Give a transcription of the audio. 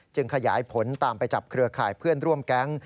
ขยายผลตามไปจับเครือข่ายเพื่อนร่วมแก๊ง